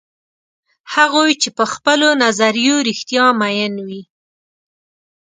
هغوی چې په خپلو نظریو رښتیا میین وي.